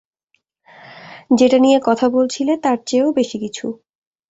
যেটা নিয়ে কথা বলছিলে তারচেয়েও বেশি কিছু।